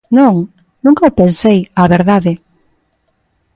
Non, nunca o pensei, a verdade.